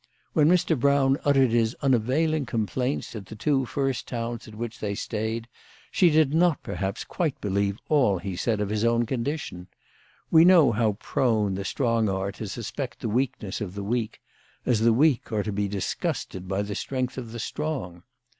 When Mr. Brown uttered his unavailing complaints at the two first towns at which they stayed, she did not perhaps quite believe all that he said of his own condition. We know how prone the strong are to suspect the weakness of the weak, as the weak are to be dis gusted by the strength of the strong.